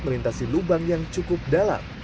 melintasi lubang yang cukup dalam